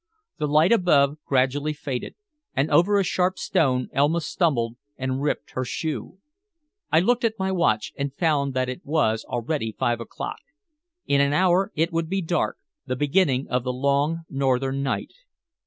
The light above gradually faded, and over a sharp stone Elma stumbled and ripped her shoe. I looked at my watch, and found that it was already five o'clock. In an hour it would be dark, the beginning of the long northern night.